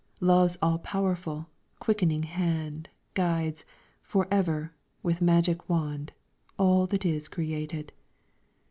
Love's all powerful, quickening hand Guides, forever, with magic wand All that it has created."